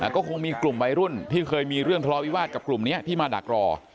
ก็คงมีกลุ่มวัยรุ่นที่เคยมีเรื่องทะเลาวิวาสกับกลุ่มนี้ที่มาดักรอ